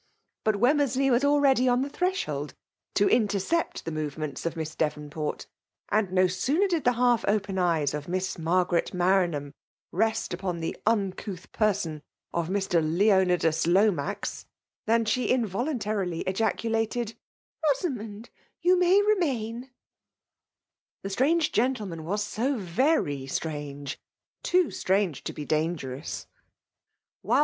But Wemmersley was already on the thteshc^d, to intercept the movementil of Miss Devotvport ; and no sooner did the half open eyds of Miss Margaret Maranham rest upon the uncouth person of Mr. Leonidas Lomax, than she in voluntarily ejaculated, " Rosamond, you may remaiti." The sttapge gentleman was «d very 6traiigie, ^too stratige to be dangerottt. WMle